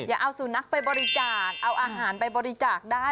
อย่าเอาสุนัขไปบริจาคเอาอาหารไปบริจาคได้